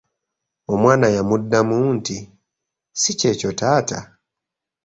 Omwana yamuddamu nti, “Si kyekyo taata”.